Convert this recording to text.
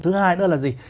thứ hai đó là gì